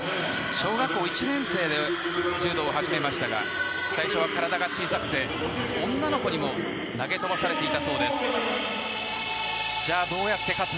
小学校１年生で柔道を始めましたが最初は体が小さくて女の子にも投げ飛ばされていたそうです。